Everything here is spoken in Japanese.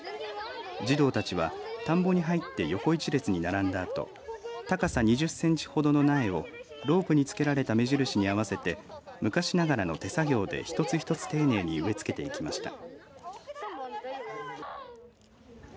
児童たちは田んぼに入って横一列に並んだあと高さ２０センチほどの苗をロープに付けられた目印に合わせて昔ながらの手作業で一つ一つ丁寧に植え付けていきました。